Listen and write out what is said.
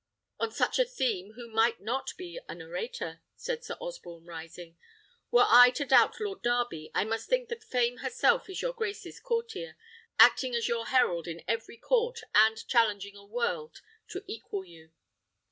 "On such a theme who might not be an orator?" said Sir Osborne, rising. "Were I to doubt Lord Darby, I must think that Fame herself is your grace's courtier, acting as your herald in every court, and challenging a world to equal you."